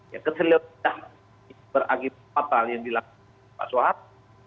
yang keseluruhan beragam fatal yang dilakukan pak suharto